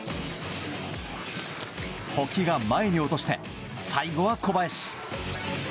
保木が前に落として最後は小林。